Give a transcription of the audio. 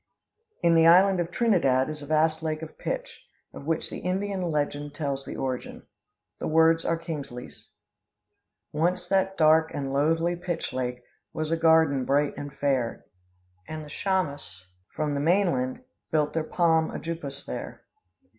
In the island of Trinidad is a vast lake of pitch, of which the Indian legend tells the origin. The words are Kingsley's: "Once that dark and loathly pitch lake Was a garden, bright and fair, And the Chaymas, from the mainland, Built their palm ajoupas there.